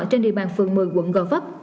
trên địa bàn phường một mươi quận gò vấp